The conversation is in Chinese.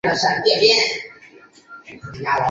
喜马拉雅花蟹蛛为蟹蛛科花蟹蛛属的动物。